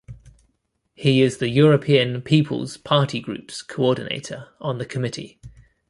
He is the European People's Party Group's coordinator on the committee.